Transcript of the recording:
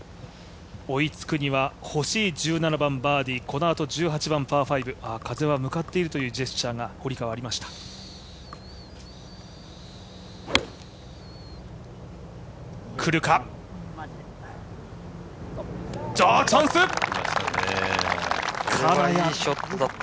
追いつくには欲しい１７番バーディー、このあと１８番パー５、風は向かっているというジェスチャーが堀川、ありました。